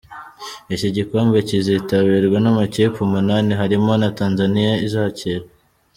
Iki gikombe kizitabirwa n’amakipe umunani harimo na Tanzania izakira.